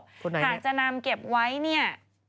คุณไหนนี่อเรียเตอร์ถ้าจะนำเก็บไว้